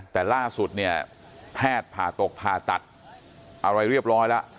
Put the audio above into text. แต่ล่าสุดเนี่ยแพทย์ผ่าตกผ่าตัดอะไรเรียบร้อยแล้ว